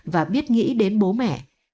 và biết nghĩ đến bố mẹ